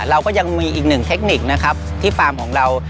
เราก็ยังมีอีกหนึ่งเทคนิคนะครับที่ฟาร์มของเรา